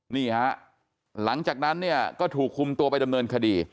นี่ฮะหลังจากนั้นเนี่ยก็ถูกคุมตัวไปดำเนินคดี